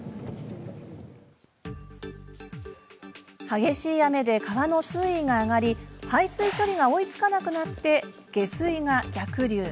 激しい雨で川の水位が上がり排水処理が追いつかなくなって下水が逆流。